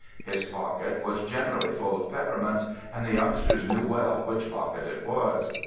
His pocket was generally full of peppermints, and the youngsters knew well which pocket it was.